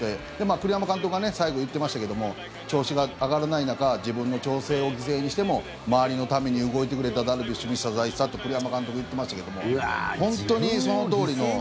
栗山監督がね最後言ってましたけども調子が上がらない中自分の調整を犠牲にしても周りのために動いてくれたダルビッシュに謝罪したって栗山監督、言ってましたけども本当にそのとおりの。